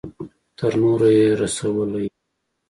تر نورو يې رسولې وي.